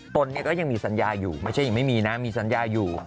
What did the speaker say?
ตนเนี่ยก็ยังมีสัญญาอยู่ไม่ใช่ยังไม่มีนะมีสัญญาอยู่